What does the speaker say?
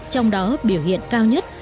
trong đó biểu hiện cao nhất